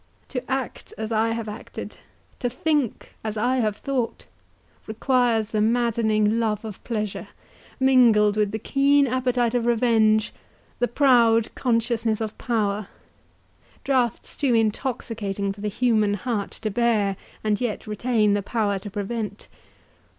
To act as I have acted, to think as I have thought, requires the maddening love of pleasure, mingled with the keen appetite of revenge, the proud consciousness of power; droughts too intoxicating for the human heart to bear, and yet retain the power to prevent.